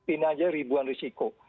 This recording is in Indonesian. ini aja ribuan risiko